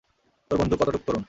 তোর বন্ধু কতটুক তরুণ?